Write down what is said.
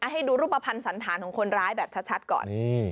ให้ดูรูปภัณฑ์สันธารของคนร้ายแบบชัดก่อน